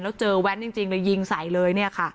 แล้วเจอแว้นจริงเลยยิงใส่เลยเนี่ยค่ะ